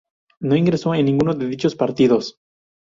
No ingresó en ninguno de dichos partidos.